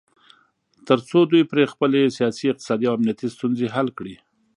تر څو دوی پرې خپلې سیاسي، اقتصادي او امنیتي ستونځې حل کړي